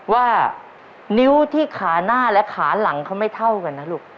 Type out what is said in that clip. ว่านิ้วที่ขาหน้าและขาหลังเขาไม่เท่ากันนะลูก